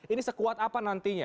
ini sekuat apa nantinya